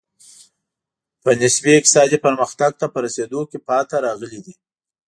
په نسبي اقتصادي پرمختګ ته په رسېدو کې پاتې راغلي دي.